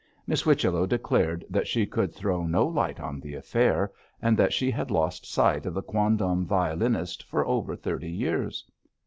Miss Whichello declared that she could throw no light on the affair, and that she had lost sight of the quondam violinist for over thirty years.